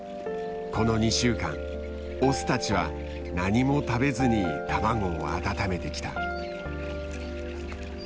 この２週間オスたちは何も食べずに卵を温めてきた。